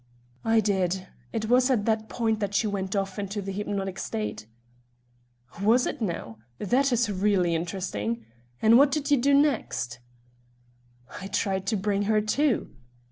"I did. It was at that point that she went off into the hypnotic state." "Was it now? This is really interesting. And what did you do next?" "I tried to bring her to."